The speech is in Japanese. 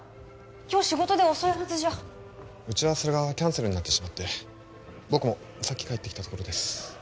今日仕事で遅いはずじゃ打ち合わせがキャンセルになってしまって僕もさっき帰ってきたところです